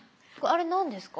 あれ何ですか？